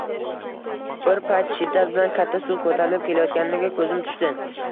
Bir payt shiddat bilan katta suv ko`tarilib kelayotganiga ko`zim tushdi